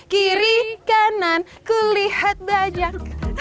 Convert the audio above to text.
kiri kanan kulihat banyak